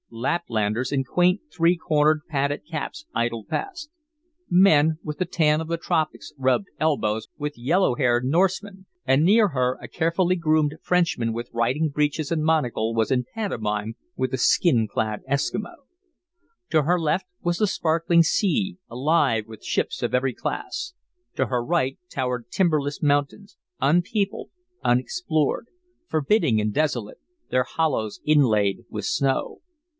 Laplanders in quaint, three cornered, padded caps idled past. Men with the tan of the tropics rubbed elbows with yellow haired Norsemen, and near her a carefully groomed Frenchman with riding breeches and monocle was in pantomime with a skin clad Eskimo. To her left was the sparkling sea, alive with ships of every class. To her right towered timberless mountains, unpeopled, unexplored, forbidding, and desolate their hollows inlaid with snow.